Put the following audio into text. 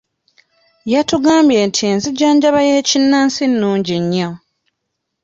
Yatugambye nti enzijanjaba y'ekinnansi nnungi nnyo.